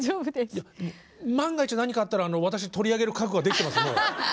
万が一何かあったら私取り上げる覚悟はできてます